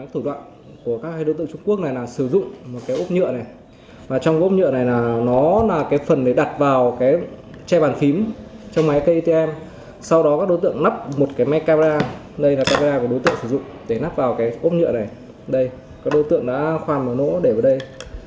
thủ đoạn này là bốn cục nhựa đây các đối tượng đã khoan một nỗ để vào đây